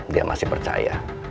dia masih percaya